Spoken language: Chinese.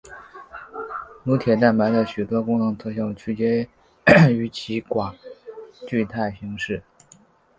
乳铁蛋白的许多功能特性取决于其寡聚态形式。